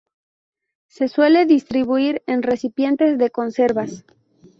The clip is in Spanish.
Se suele distribuir en recipientes de conservas.